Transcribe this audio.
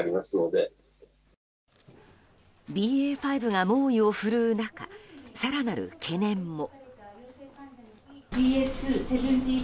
ＢＡ．５が猛威を振るう中更なる懸念も。